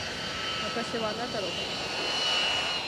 私はあなたの友達です